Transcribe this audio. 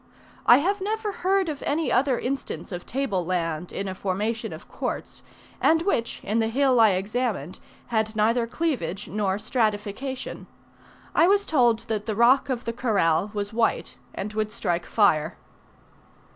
I have never heard of any other instance of table land in a formation of quartz, and which, in the hill I examined, had neither cleavage nor stratification. I was told that the rock of the "Corral" was white, and would strike fire.